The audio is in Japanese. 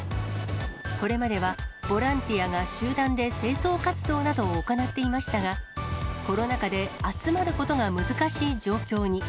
これまではボランティアが集団で清掃活動などを行っていましたが、コロナ禍で集まることが難しい状況に。